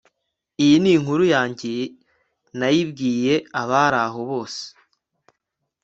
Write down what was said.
iyi ninkuru yanjye nayibwiye abari aho bose